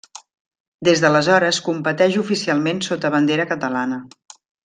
Des d'aleshores competeix oficialment sota bandera catalana.